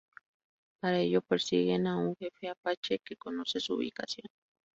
Para ello persiguen a un jefe apache, que conoce su ubicación.